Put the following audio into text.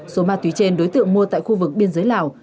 số ma túy trên đối tượng mua tại khu vực biên giới lào